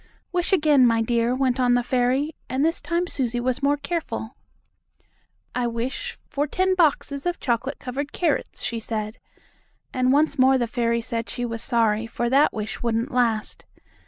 "Wish again, my dear," went on the fairy, and this time Susie was more careful. "I wish for ten boxes of chocolate covered carrots," she said, and once more the fairy said she was sorry, for that wish wouldn't last.